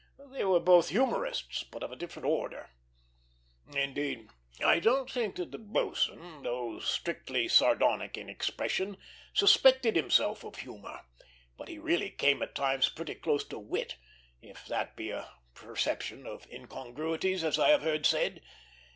They were both humorists, but of a different order. Indeed, I don't think that the boatswain, though slightly sardonic in expression, suspected himself of humor; but he really came at times pretty close to wit, if that be a perception of incongruities, as I have heard said.